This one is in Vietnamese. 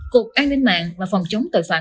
cục an ninh mạng và phòng chống tội phạm